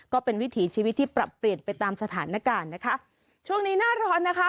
วิถีชีวิตที่ปรับเปลี่ยนไปตามสถานการณ์นะคะช่วงนี้หน้าร้อนนะคะ